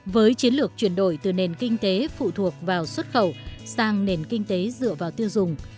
với chiến lược chuyển đổi từ nền kinh tế phụ thuộc vào xuất khẩu sang nền kinh tế dựa vào tiêu dùng